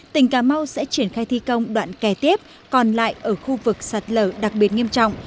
tỉnh cà mau sẽ triển khai thi công đoạn kè tiếp còn lại ở khu vực sạt lở đặc biệt nghiêm trọng